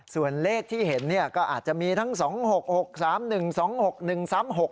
ส่วนเลขที่เห็นเนี่ยก็อาจจะมีทั้งสองหกหกสามหนึ่งสองหกหนึ่งสามหก